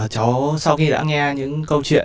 cháu sau khi đã nghe những câu chuyện